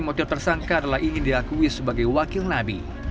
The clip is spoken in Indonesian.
motif tersangka adalah ingin diakui sebagai wakil nabi